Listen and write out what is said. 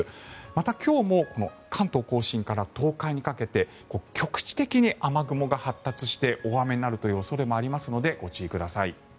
また、今日も関東・甲信から東海にかけて局地的に雨雲が発達して大雨になる恐れもあるのでご注意ください。